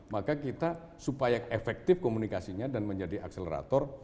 maka kita supaya efektif komunikasinya dan menjadi akselerator